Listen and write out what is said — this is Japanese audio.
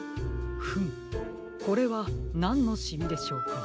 フムこれはなんのシミでしょうか。